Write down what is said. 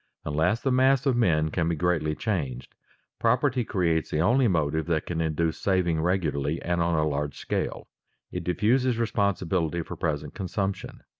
Unless the mass of men can be greatly changed, property creates the only motive that can induce saving regularly and on a large scale. It diffuses responsibility for present consumption.